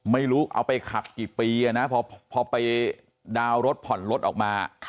ไม่รู้เอาไปขับกี่ปีนะพอไปดาวน์รถผ่อนรถออกมา